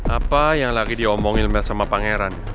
apa yang lagi diomongin sama pangeran